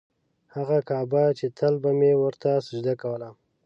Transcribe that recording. هغه کعبه چې تل به مې ورته سجده کوله.